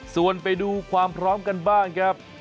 ส่วนไปดูความพร้อมกันบ้างครับ